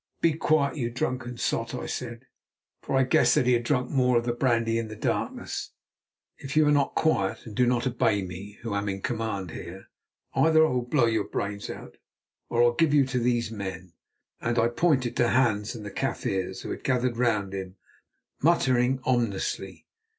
"Be quiet, you drunken sot," I said, for I guessed that he had drunk more of the brandy in the darkness. "If you are not quiet and do not obey me, who am in command here, either I will blow your brains out, or I will give you to these men," and I pointed to Hans and the Kaffirs, who had gathered round him, muttering ominously.